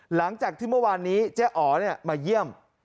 หลังจากที่เมื่อวานนี้เจ๊อ๋อมาเยี่ยม